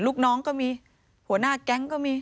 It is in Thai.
ลูกน้องก็มีหัวหน้าแก๊งก็มี